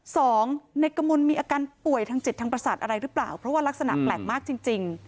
สองนายกมลมีอาการป่วยทางจิตทางประสาทอะไรหรือเปล่าเพราะว่ารักษณะแปลกมากจริงจริง